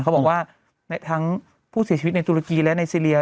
เขาบอกว่าทั้งผู้เสียชีวิตในตุรกีและไนซีเรีย